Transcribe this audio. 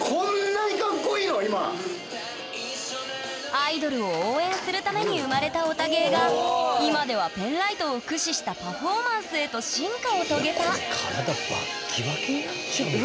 アイドルを応援するために生まれたヲタ芸が今ではペンライトを駆使したパフォーマンスへと進化を遂げたいやこれ体バッキバキになっちゃうよ。